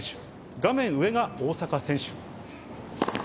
画面上が大坂選手。